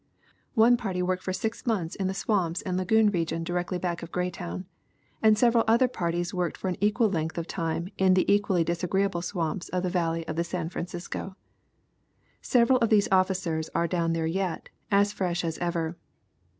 One party worked for six months in the swamps and lagoon region directly back of Greytown, and several other parties worked for an equal length of time in the equally disagreeable swamps of the valley of the San Francisco. Several of these officers are down there yet, as fresh as ever.